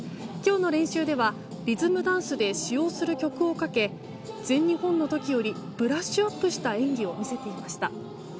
今日の練習ではリズムダンスで使用する曲をかけ全日本の時よりブラッシュアップした演技を見せていました。